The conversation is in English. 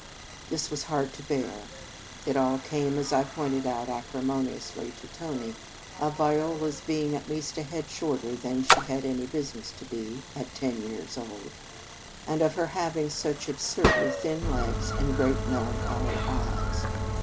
This was hard to bear. It all came, as I pointed out acrimoniously to Tony, of Viola s being at least a head shorter than she had any business to be at ten years old, and of her having such absurdly thin legs, and great, melancholy eyes.